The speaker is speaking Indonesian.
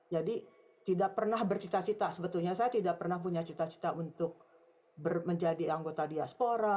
jadi tidak pernah bercita cita sebetulnya saya tidak pernah punya cita cita untuk menjadi anggota diaspora